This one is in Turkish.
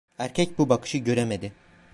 Erkek bu bakışı göremedi.